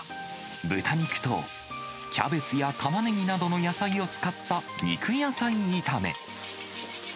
豚肉とキャベツやタマネギなどの野菜を使った肉野菜炒め。